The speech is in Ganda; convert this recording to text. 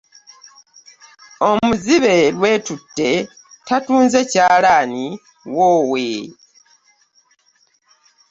Omuzibe Lwetutte tatunze kyalaani woowe!